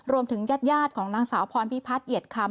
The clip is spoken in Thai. ญาติของนางสาวพรพิพัฒน์เอียดคำ